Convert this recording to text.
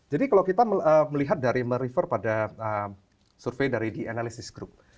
jadi kalau kita melihat dari merefer pada survei dari the analysis group